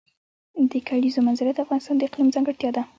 د کلیزو منظره د افغانستان د اقلیم ځانګړتیا ده.